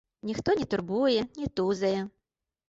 Ніхто не турбуе, не тузае.